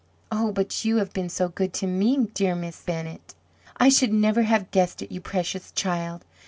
"Oh, but you have been so good to me, dear Miss Bennett!" "I should never have guessed it, you precious child!